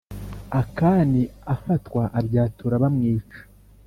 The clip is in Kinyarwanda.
Akani afatwa abyatura bamwica